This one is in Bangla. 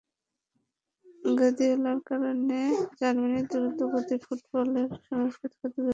গার্দিওলার কারণে জার্মানির দ্রুতগতির ফুটবল সংস্কৃতিই ক্ষতিগ্রস্ত হচ্ছে বলেও অভিযোগ এসেছে।